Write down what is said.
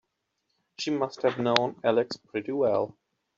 She must have known Alex pretty well.